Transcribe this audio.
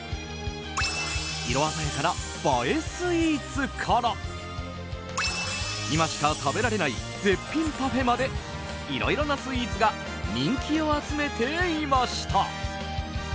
色鮮やかな映えスイーツから今しか食べられない絶品パフェまでいろいろなスイーツが人気を集めていました。